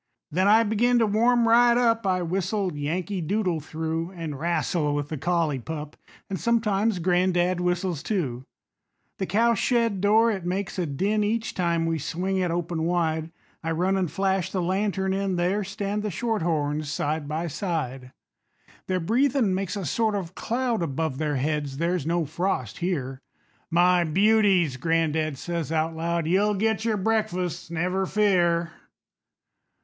Then I begin to warm right up, I whistle "Yankee Doodle" through, An' wrastle with the collie pup And sometimes gran'dad whistles too. The cow shed door, it makes a din Each time we swing it open wide; I run an' flash the lantern in, There stand the shorthorns side by side. Their breathin' makes a sort of cloud Above their heads there's no frost here. "My beauties," gran'dad says out loud, "You'll get your breakfasts, never fear."